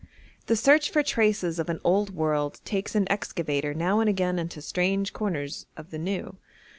The search for traces of an old world takes an excavator now and again into strange corners of the new.